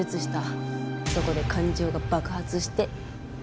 そこで感情が爆発して。